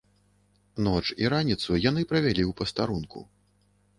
Ноч і раніцу яны правялі ў пастарунку.